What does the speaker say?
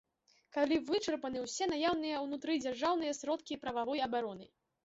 Калі вычарпаны ўсе наяўныя ўнутрыдзяржаўныя сродкі прававой абароны.